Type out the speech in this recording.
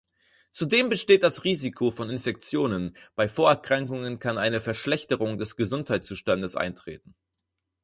Zudem besteht das Risiko von Infektionen, bei Vorerkrankungen kann eine Verschlechterung des Gesundheitszustandes eintreten.